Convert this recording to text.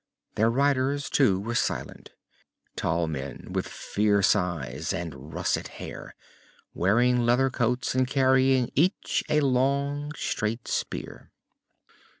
Their riders too were silent tall men with fierce eyes and russet hair, wearing leather coats and carrying each a long, straight spear.